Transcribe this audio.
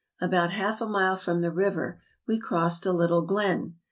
About half a mile from the river we crossed a little glen.